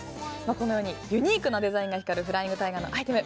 このようにユニークなデザインが光るフライングタイガーのアイテム